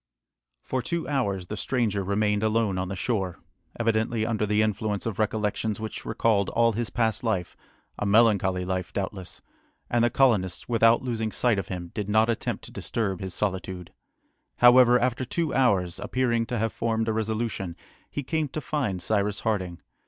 [Illustration: THE STRANGER] For two hours the stranger remained alone on the shore, evidently under the influence of recollections which recalled all his past life a melancholy life doubtless and the colonists, without losing sight of him, did not attempt to disturb his solitude. However, after two hours, appearing to have formed a resolution, he came to find Cyrus Harding.